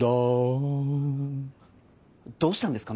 どうしたんですか？